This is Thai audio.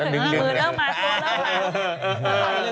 ดึงนะ